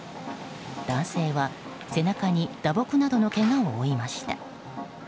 男性は背中に打撲などのけがを負いました。